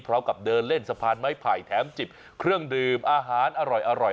พร้อมกับเดินเล่นสะพานไม้ไผ่แถมจิบเครื่องดื่มอาหารอร่อย